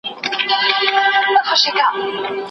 کله کښته کله پورته کله شاته